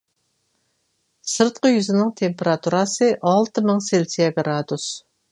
سىرتقى يۈزنىڭ تېمپېراتۇرىسى ئالتە مىڭ سېلسىيە گرادۇس.